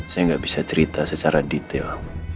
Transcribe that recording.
saya nggak bisa cerita secara detail